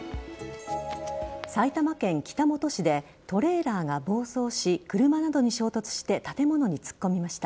埼玉県北本市でトレーラーが暴走し車などに衝突して建物に突っ込みました。